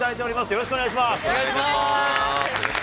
よろしくお願いします。